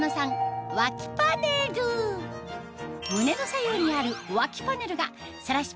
胸の左右にある脇パネルがさらし